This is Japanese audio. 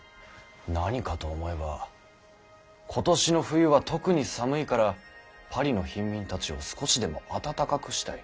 何かと思えば「今年の冬は特に寒いからパリの貧民たちを少しでも温かくしたい。